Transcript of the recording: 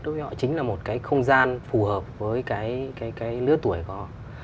đối với họ chính là một cái không gian phù hợp với cái lứa tuổi của họ